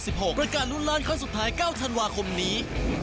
รายการรุ่นล้านครั้งสุดท้าย๙ธันวาคมนี้